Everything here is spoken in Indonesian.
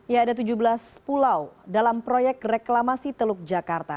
ya ada tujuh belas pulau dalam proyek reklamasi teluk jakarta